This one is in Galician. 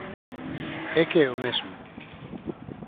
¡É que é o mesmo!